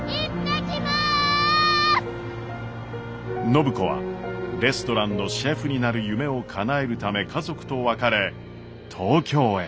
暢子はレストランのシェフになる夢をかなえるため家族と別れ東京へ。